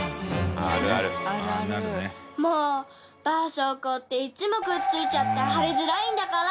そうこうっていつもくっついちゃって貼りづらいんだから！